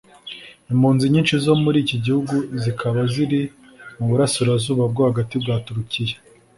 Impunzi nyinshi zo muri iki gihugu zikaba ziri mu Burasirazuba bwo hagati nka Turukiya